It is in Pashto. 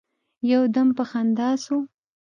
يو دم په خندا سو.